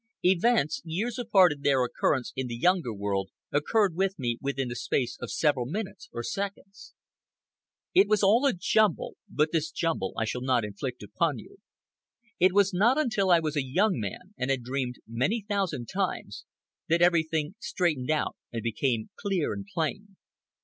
Events, years apart in their occurrence in the Younger World, occurred with me within the space of several minutes, or seconds. It was all a jumble, but this jumble I shall not inflict upon you. It was not until I was a young man and had dreamed many thousand times, that everything straightened out and became clear and plain.